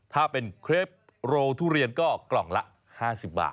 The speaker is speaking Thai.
ถ้าเป็นเครปโรทุเรียนก็กล่องละ๕๐บาท